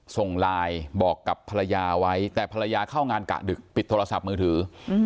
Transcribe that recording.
ส่งไลน์บอกกับภรรยาไว้แต่ภรรยาเข้างานกะดึกปิดโทรศัพท์มือถือ